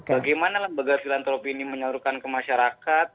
bagaimana lembaga filantropi ini menyalurkan ke masyarakat